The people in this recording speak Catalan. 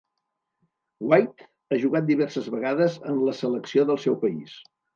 Weight ha jugat diverses vegades en la selecció del seu país.